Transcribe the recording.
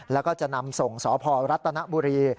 แล้วก็จะนำส่งสพรัฐนบุรี